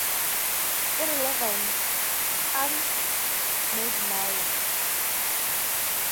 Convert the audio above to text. Irrelevant, Ahmad Miller.